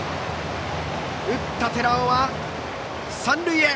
打った寺尾は三塁へ。